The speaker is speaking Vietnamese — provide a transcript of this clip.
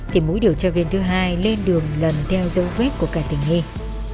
thì mũi điều tra viên thứ hai lên đường lần theo dấu vết của cả tình hình